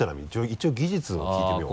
一応技術を聞いてみよう。